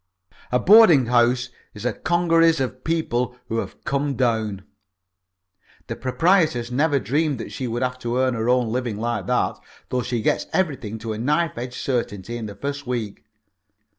A boarding house is a congeries of people who have come down. The proprietoress never dreamed that she would have to earn her own living like that though she gets everything to a knife edge certainty in the first week.